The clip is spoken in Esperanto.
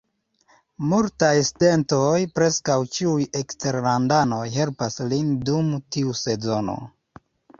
Multaj studentoj, preskaŭ ĉiuj eksterlandanoj, helpas lin dum tiu sezono.